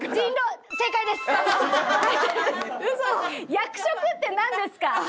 役職ってなんですか？